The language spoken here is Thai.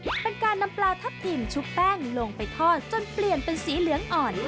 เป็นการนำปลาทับทิมชุบแป้งลงไปทอดจนเปลี่ยนเป็นสีเหลืองอ่อน